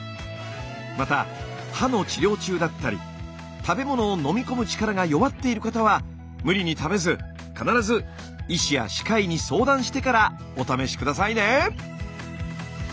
また歯の治療中だったり食べ物を飲み込む力が弱っている方は無理に食べず必ず医師や歯科医に相談してからお試し下さいね！